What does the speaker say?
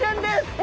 え？